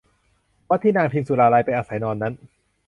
วัดที่นางพิมสุราลัยไปอาศัยนอนนั้น